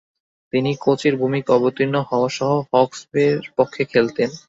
তিনি কোচের ভূমিকায় অবতীর্ণ হওয়াসহ হকস বে’র পক্ষে খেলতেন।